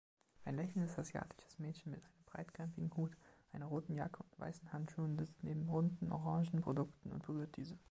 Ein lächelndes asiatisches Mädchen mit einem breitkrempigen Hut, einer roten Jacke und weißen Handschuhen sitzt neben runden, orangen Produkten und berührt diese